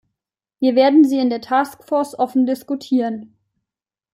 Wir werden sie in der Task Force offen diskutieren.